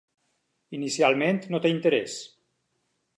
Inicialment no té interès.